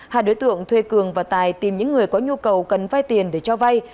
hai đối tượng thuê cường và tài tìm những người có nhu cầu cần vay tiền để cho vay